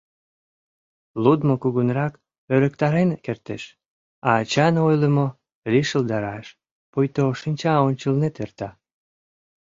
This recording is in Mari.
Лудмо кугунрак ӧрыктарен кертеш, а ачан ойлымо — лишыл да раш, пуйто шинча ончылнет эрта.